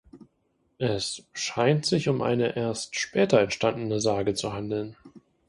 Es scheint sich um eine erst später entstandene Sage zu handeln.